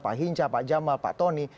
pak hinca pak jamal pak tony